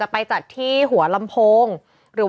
เป็นการกระตุ้นการไหลเวียนของเลือด